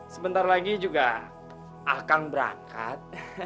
sebentar lagi juga akan berangkat